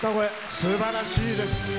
すばらしいです。